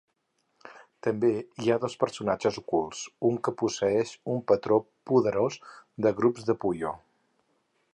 També hi ha dos personatges ocults, un que posseeix un patró poderós de grups de Puyo.